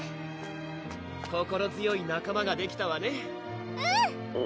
心強い仲間ができたわねうん！